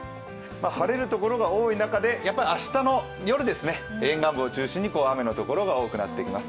晴れる所が多い中で明日の夜ですね、沿岸部を中心に雨のところが多くなってきます。